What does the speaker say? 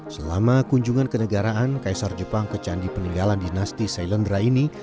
selama kunjungan kenegaraan kaisar jepang ke candi peninggalan dinasti sailendra ini